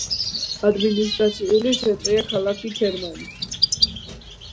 ადმინისტრაციული ცენტრია ქალაქი ქერმანი.